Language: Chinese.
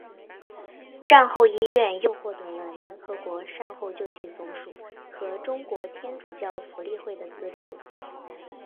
战后医院又获得了联合国善后救济总署和中国天主教福利会的资助。